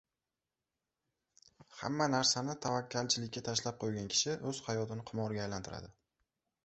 Hamma narsani tavakkalchilikka tashlab qo‘ygan kishi o‘z hayotini qimorga aylantiradi.